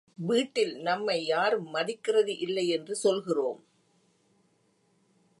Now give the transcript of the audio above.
வீட்டில் நம்மை யாரும் மதிக்கிறது இல்லை என்று சொல்கிறோம்.